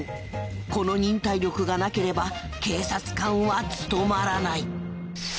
この忍耐力がなければ警察官は務まらない。